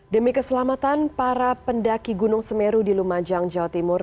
demi keselamatan para pendaki gunung semeru di lumajang jawa timur